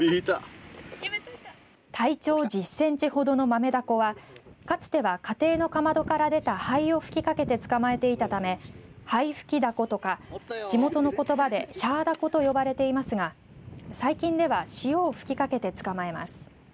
体長１０センチほどのマメダコはかつては家庭のかまどから出た灰を吹きかけて捕まえていたため灰吹きダコとか地元のことばでヒャーダコと呼ばれていますが最近では塩を吹きかけて捕まえます。